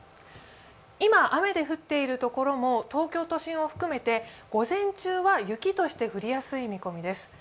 今、雨が降っている所も東京都心も含めて午前中は雪として降りやすい見込みです。